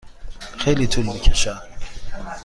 خیلی طول می کشد.